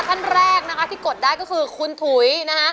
ท่านแรกนะคะที่กดได้ก็คือคุณถุยนะฮะ